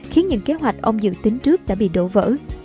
khiến những kế hoạch ông dự tính trước đã bị đổ vỡ